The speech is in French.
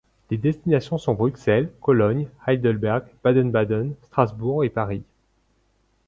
Les destinations sont Bruxelles, Cologne, Heidelberg, Baden-Baden, Strasbourg et Paris.